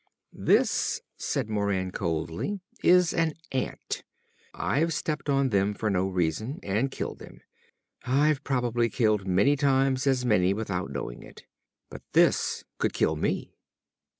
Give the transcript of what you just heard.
"This," said Moran coldly, "is an ant. I've stepped on them for no reason, and killed them. I've probably killed many times as many without knowing it. But this could kill me."